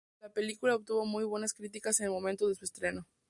La película obtuvo muy buenas críticas en el momento de su estreno.